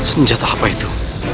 senjata apa itu